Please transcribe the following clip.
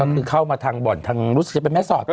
คือเข้ามาทางบ่อนทางรู้สึกเป็นแม่ศอดป่ะก่อน